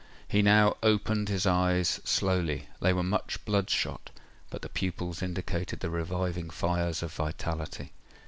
He now opened his eyes slowly; they were much blood shot—but the pupils indicated the reviving fires of vitality.